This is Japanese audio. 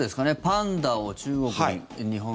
パンダを中国、日本。